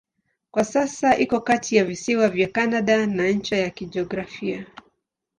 Kwa sasa iko kati ya visiwa vya Kanada na ncha ya kijiografia.